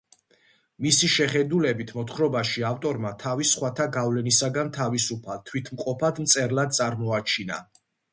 მისი შეხედულებით, მოთხრობაში ავტორმა თავი სხვათა გავლენისაგან თავისუფალ, თვითმყოფად მწერლად წარმოაჩინა.